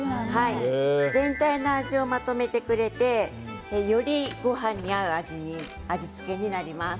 全体の味をまとめてくれてより、ごはんに合う味付けになります。